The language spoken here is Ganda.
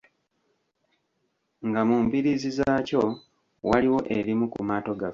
Nga mu mbiriizi zaakyo waliwo erimu ku maato gaffe.